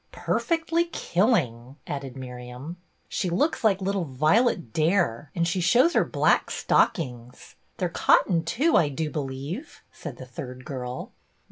" Perfectly killing !" added Miriam. " She looks like little Violet Dare, and she shows her black stockings. They 're cotton, too, I do believe," said the third girl.